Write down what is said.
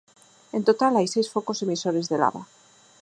En total hai seis focos emisores de lava.